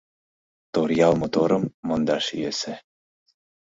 Торъял моторым мондаш йӧсӧ.